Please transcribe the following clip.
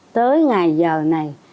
tới ngày giờ này